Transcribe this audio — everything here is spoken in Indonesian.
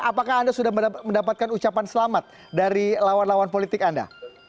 apakah anda sudah mendapatkan ucapan selamat dari lawan lawan politik anda